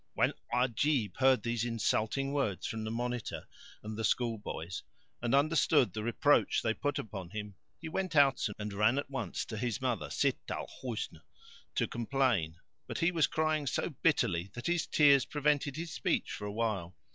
When Ajib heard these insulting words from the Monitor and the school boys and understood the reproach they put upon him, he went out at once and ran to his mother, Sitt al Husn, to complain; but he was crying so bitterly that his tears prevented his speech for a while.